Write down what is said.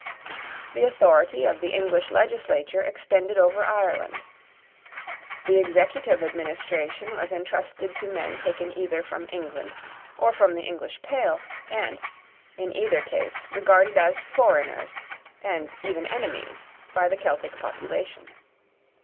The authority of the English legislature extended over Ireland. The executive administration was entrusted to men taken either from England or from the English pale, and, in either case, regarded as foreigners, and even as enemies, by the Celtic population.